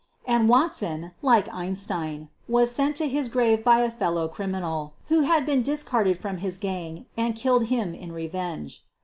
And Watson, like Einstein, was sent to his grave by a fellow criminal, who had been discarded from his gang and killed him in revenge.